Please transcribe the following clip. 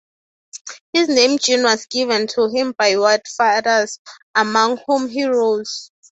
His name Jean was given to him by White Fathers, among whom he rose.